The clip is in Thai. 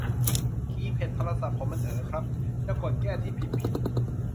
คีย์แพดโทรศัพท์ผมมันเอ๋อครับ จะกดแก้ที่พิมพ์ผิด